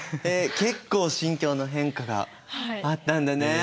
結構心境の変化があったんだね！